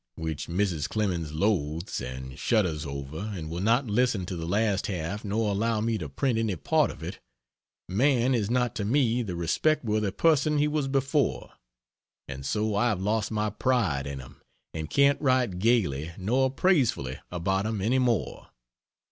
] which Mrs. Clemens loathes, and shudders over, and will not listen to the last half nor allow me to print any part of it, Man is not to me the respect worthy person he was before; and so I have lost my pride in him, and can't write gaily nor praisefully about him any more.